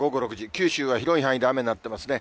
九州は広い範囲で雨になっていますね。